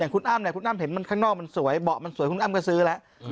คุณอ้ำเนี่ยคุณอ้ำเห็นมันข้างนอกมันสวยเบาะมันสวยคุณอ้ำก็ซื้อแล้ว